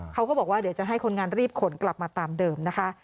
เขาก็บอกว่าเดี๋ยวจะให้คนงานรีบขนกลับมาตามเดิมนะคะ